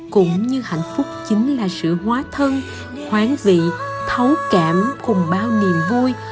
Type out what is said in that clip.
cũng như hạnh phúc chính là sự hóa thân hoán vị thấu cảm cùng bao niềm vui